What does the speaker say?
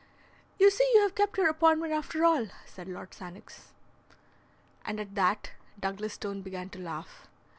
"You see you have kept your appointment after all," said Lord Sannox. And at that Douglas Stone began to laugh.